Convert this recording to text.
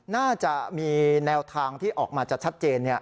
น่าจะมีแนวทางที่ออกมาจะชัดเจน